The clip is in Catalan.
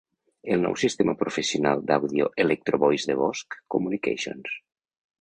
Un nou sistema professional d'àudio Electro-Voice de Bosch Communications.